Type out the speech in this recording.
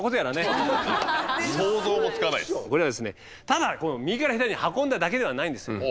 ただ右から左に運んだだけではないんです。